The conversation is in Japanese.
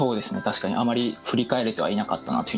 確かにあまり振り返れてはいなかったなって。